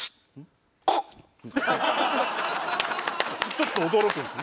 ちょっと驚くんですね